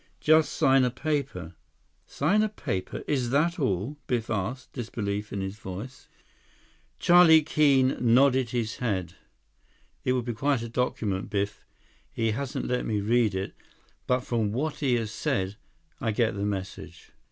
"Just sign a paper." "Sign a paper? Is that all?" Biff asked, disbelief in his voice. 156 Charlie Keene nodded his head. "It would be quite a document, Biff. He hasn't let me read it, but from what he has said, I get the message."